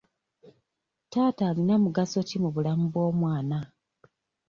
Taata alina mugaso ki mu bulamu bw'omwana?